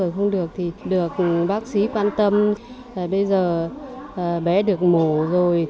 bây giờ không được thì được bác sĩ quan tâm bây giờ bé được mổ rồi